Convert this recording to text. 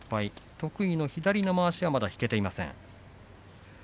得意の左まわしはまだ引けていません。